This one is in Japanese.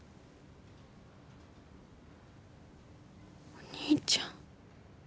お兄ちゃん。